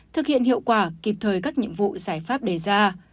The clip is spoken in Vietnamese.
thực hiện hiệu quả kịp thời các nhiệm vụ giải pháp đề ra